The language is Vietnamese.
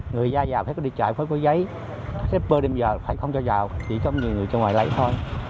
người ra vào phải đi chạy với có giấy shipper đêm giờ phải không cho vào chỉ có nhiều người ra ngoài lấy thôi